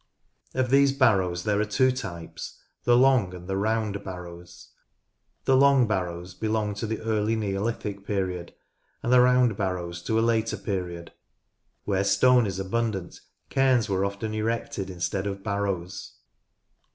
Of these barrows there are two types, the long and the rovind barrows. The long barrows belong to the early Neolithic period and the round barrows to a later period. Where stone is abundant cairns were often erected instead of barrows.